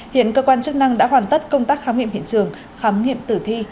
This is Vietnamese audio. hiện cơ quan chức năng đã hoàn tất công tác khám nghiệm hiện trường khám nghiệm tử thi